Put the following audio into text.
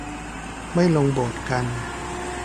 ไม่ลงโบสถ์กัน